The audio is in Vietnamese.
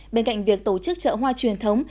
bên cạnh việc tổ chức trợ hoa truyền thống